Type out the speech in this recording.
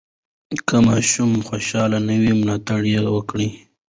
که ماشوم خوشحاله نه وي، ملاتړ یې وکړئ.